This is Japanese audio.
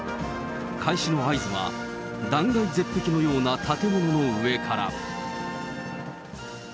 開始の合図は、断崖絶壁のような建物の上から。